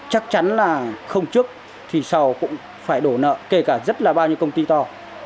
chắc chắn là không trước thì sau cũng phải đổ nợ kể cả rất là bao nhiêu công ty to